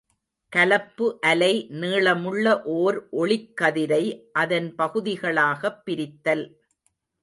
கலப்பு அலை நீளமுள்ள ஓர் ஒளிக்கதிரை அதன் பகுதிகளாகப் பிரித்தல்.